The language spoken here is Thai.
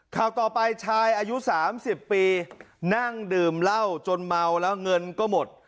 ข่าวต่อไปชายอายุ๓๐ปีนั่งดื่มเหล้าจนเมาแล้วเงินก็หมด